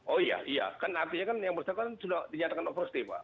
oh iya iya kan artinya kan yang bersangkutan sudah dinyatakan overstay pak